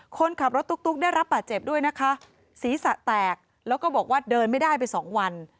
คนขับรถตุ๊กได้รับบาดเจ็บด้วยนะคะศีรษะแตกแล้วก็บอกว่าเดินไม่ได้ไปสองวัน